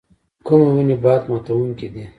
کومې ونې باد ماتوونکي دي؟